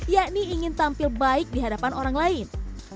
yakni ingin tampil baik di hadapan orang lain